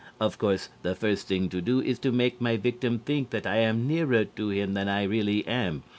Of course, the first thing to do is to make my victim think that I am nearer to him than I really am.